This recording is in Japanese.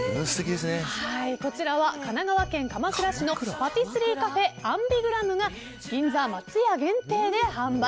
こちらは神奈川県鎌倉市のパティスリーカフェアンビグラムが銀座松屋限定で販売。